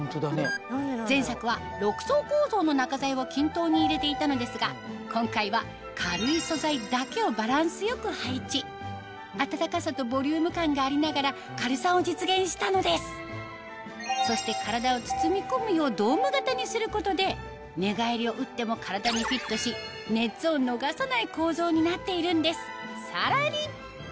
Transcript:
前作は６層構造の中材を均等に入れていたのですが今回は軽い素材だけをバランスよく配置暖かさとボリューム感がありながら軽さを実現したのですそして体を包み込むようドーム型にすることで寝返りをうっても体にフィットし熱を逃さない構造になっているんですさらに！